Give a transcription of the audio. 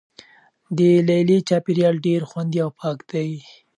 د لیلیې چاپیریال ډیر خوندي او پاک دی.